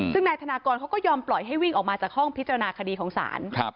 ซึ่งนายธนากรเขาก็ยอมปล่อยให้วิ่งออกมาจากห้องพิจารณาคดีของศาล